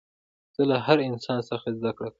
زه له هر انسان څخه زدکړه کوم.